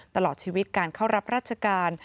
ตลอดชีวิตการเข้ารับราชการ